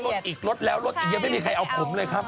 ลดอีกรถแล้วยังไม่มีใครเอาผมเลยครับ